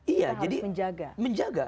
iya jadi menjaga